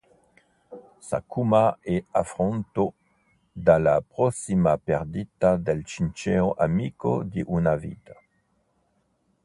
Sakuma è affranto dalla prossima perdita del sincero amico di una vita.